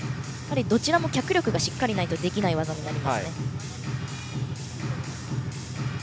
どちらも脚力がしっかりないとできない技になります。